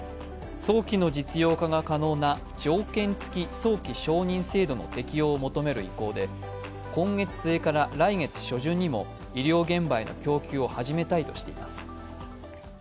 早期の実用化が可能な条件付き早期承認制度の適用を求める意向で今月末から来月初旬にも医療現場への供給を始めたいとしています。